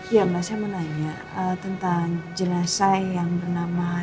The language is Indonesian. ya mbak saya mau nanya tentang jenazah yang bernama